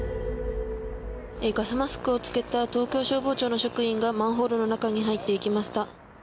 ガスマスクを着けた東京消防庁の職員がマンホールの中に入っていきました。